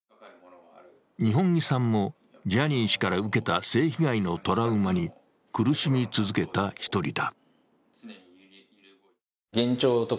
二本樹さんもジャニー氏から受けた性被害のトラウマに苦しみ続けた１人だ。